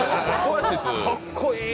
かっこいい。